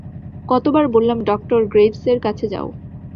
কতবার বললাম ডঃ গ্রেইভসের কাছে যাও।